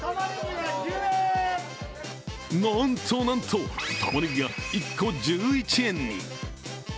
なんと、なんとタマネギが１個１１円に。